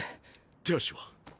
手足は？